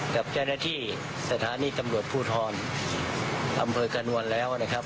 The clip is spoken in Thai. กับแจ้งหน้าที่สถานีจำลวดภูทรทำเผยกันวันแล้วนะครับ